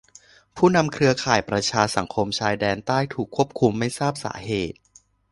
ผู้นำเครือข่ายประชาสังคมชายแดนใต้ถูกคุมตัวไม่ทราบสาเหตุ